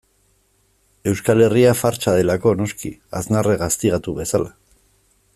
Euskal Herria fartsa delako, noski, Aznarrek gaztigatu bezala.